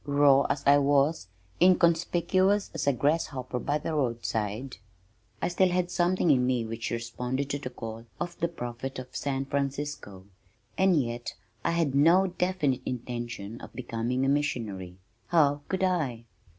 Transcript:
Raw as I was, inconspicuous as a grasshopper by the roadside, I still had something in me which responded to the call of "the prophet of San Francisco," and yet I had no definite intention of becoming a missionary. How could I?